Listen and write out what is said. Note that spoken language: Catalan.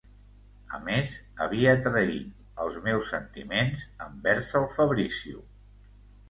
A més, havia traït els meus sentiments envers el Fabrizio.